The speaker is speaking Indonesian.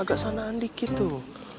agak sanaan dikit tuh